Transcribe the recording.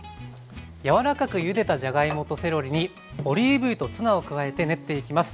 柔らかくゆでたじゃがいもとセロリにオリーブ油とツナを加えて練っていきます。